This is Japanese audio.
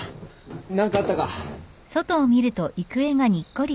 何かあったか？